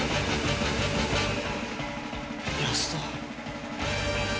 安田。